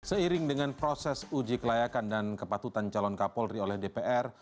seiring dengan proses uji kelayakan dan kepatutan calon kapolri oleh dpr